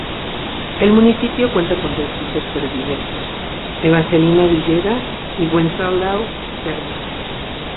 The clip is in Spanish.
El municipio cuenta con dos hijos predilectos: Evangelina Villeda y Wenceslao Cerna.